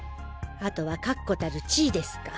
あとは確固たる地位ですか。